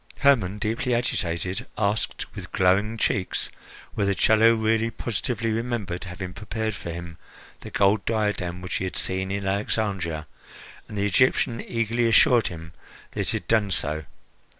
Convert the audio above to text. Hermon, deeply agitated, asked, with glowing cheeks, whether Chello really positively remembered having prepared for him the gold diadem which he had seen in Alexandria, and the Egyptian eagerly assured him that he had done so.